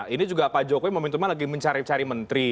ini juga pak jokowi momentumnya lagi mencari cari menteri